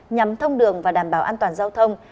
nhắm thông đường và đảm bảo an toàn giao thông